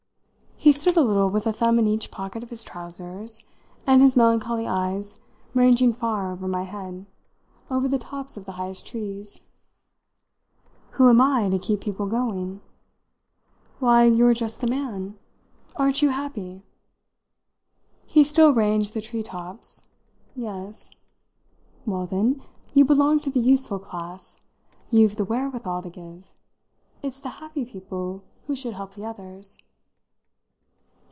He stood a little with a thumb in each pocket of his trousers, and his melancholy eyes ranging far over my head over the tops of the highest trees. "Who am I to keep people going?" "Why, you're just the man. Aren't you happy?" He still ranged the tree tops. "Yes." "Well, then, you belong to the useful class. You've the wherewithal to give. It's the happy people who should help the others."